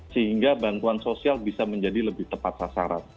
sehingga bantuan sosial bisa menjadi lebih tepat sasaran